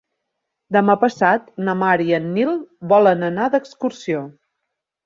Demà passat na Mar i en Nil volen anar d'excursió.